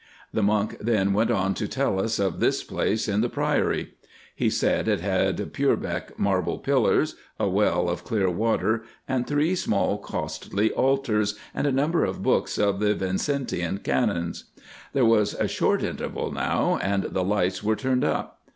The monk then went on to tell us of this place in the Priory. He said it had Purbeck marble pillars, a well of clear water, and three small costly altars, and a number of books of the Vincentian Canons. There was a short interval now, and the lights were turned up.